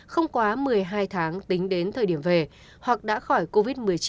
không quá một mươi hai tháng tính đến thời điểm về hoặc đã khỏi covid một mươi chín